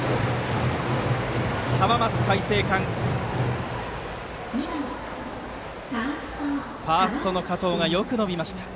浜松開誠館、ファーストの加藤がよく伸びました。